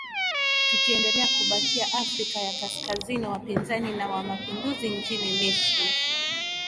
tukiendelea kubakia afrika ya kaskazini wapinzani na wanamapinduzi nchini misri